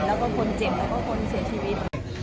แล้วก็คนเจ็บแล้วก็คนเสียชีวิต